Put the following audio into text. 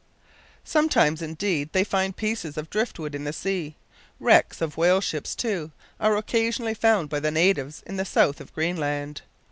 Sometimes, indeed, they find pieces of drift wood in the sea. Wrecks of whale ships, too, are occasionally found by the natives in the south of Greenland.